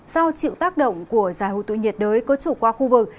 do chịu tác động của giải hút tủ nhiệt đới có chủ qua khu vực